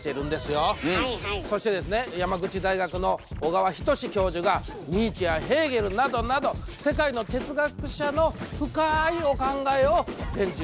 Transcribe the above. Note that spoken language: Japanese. そしてですね山口大学の小川仁志教授がニーチェやヘーゲルなどなど世界の哲学者の深いお考えを伝授してますと。